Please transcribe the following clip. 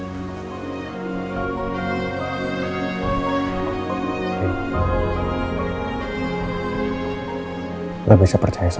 enggak bisa percaya sama gua